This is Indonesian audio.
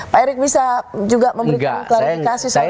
pak erick bisa juga memberikan klarifikasi soalnya